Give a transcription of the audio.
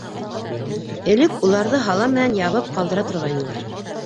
Элек уларҙы һалам менән ябып ҡалдыра торғайнылар.